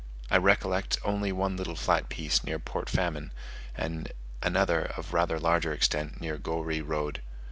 I recollect only one little flat piece near Port Famine, and another of rather larger extent near Goeree Road.